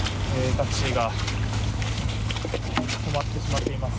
タクシーが止まってしまっています。